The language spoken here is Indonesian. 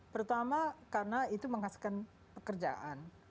pertama karena itu menghasilkan pekerjaan